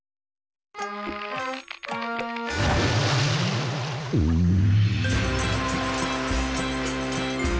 うん？